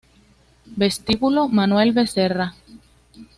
Vestíbulo Manuel Becerra